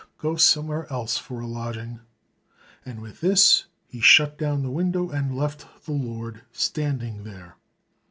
Go somewhere else for a lodging," and with this he shut down the window and left the Lord standing there.